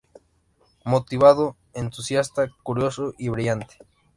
Motivado, entusiasta, curioso y brillante.